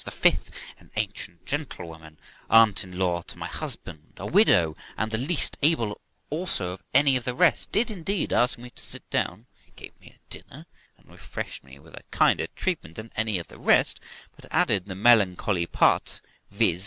The fifth, an ancient gentlewoman, aunt in law to my husband, a widow, and the least able also of any of the rest, did, indeed, ask me to sit down, gave me a dinner, and refreshed me with a kinder treatment than any of the rest, but added the melancholy part, viz.